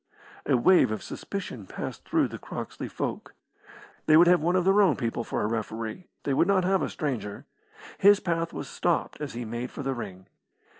A wave of suspicion passed through the Croxley folk. They would have one of their own people for a referee. They would not have a stranger. His path was stopped as he made for the ring.